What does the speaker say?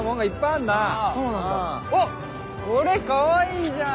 あっこれかわいいじゃん！